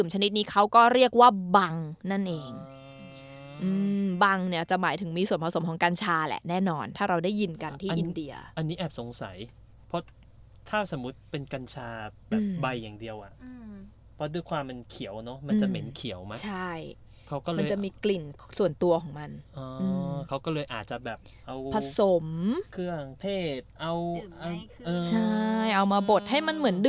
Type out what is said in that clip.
ชนิดนี้เขาก็เรียกว่าบังนั่นเองบังเนี่ยจะหมายถึงมีส่วนผสมของกัญชาแหละแน่นอนถ้าเราได้ยินกันที่อินเดียอันนี้แอบสงสัยเพราะถ้าสมมุติเป็นกัญชาแบบใบอย่างเดียวอ่ะเพราะด้วยความมันเขียวเนอะมันจะเหม็นเขียวมั้งใช่เขาก็เลยมันจะมีกลิ่นส่วนตัวของมันอ๋อเขาก็เลยอาจจะแบบเอาผสมเครื่องเทศเอาใช่เอามาบดให้มันเหมือนดึ